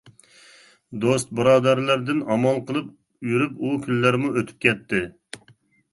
دوست بۇرادەرلەردىن ئامال قىلىپ يۈرۈپ ئۇ كۈنلەرمۇ ئۆتۈپ كەتتى.